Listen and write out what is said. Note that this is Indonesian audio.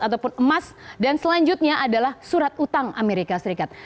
ataupun emas dan selanjutnya adalah surat utang amerika serikat